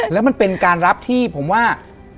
แล้วมันเป็นการรับที่ผมว่า